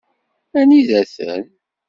Anida-ten?